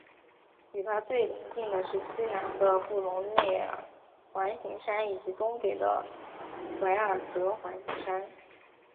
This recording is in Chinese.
与它最邻近的是西南的布隆内尔环形山以及东北的怀尔德环形山。